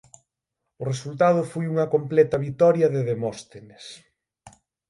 O resultado foi unha completa vitoria de Demóstenes.